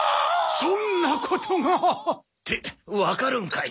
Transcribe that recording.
そんなことが。ってわかるんかい！